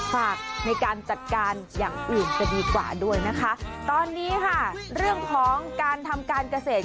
ฝากในการจัดการอย่างอื่นจะดีกว่าด้วยนะคะตอนนี้ค่ะเรื่องของการทำการเกษตร